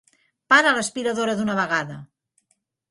Para l'aspiradora d'una vegada!